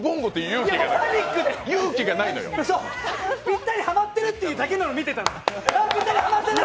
ぴったりハマってるというのだけを見てたの。